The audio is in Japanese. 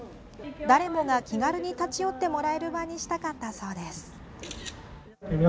誰もが気軽に立ち寄ってもらえる場にしたかったそうです。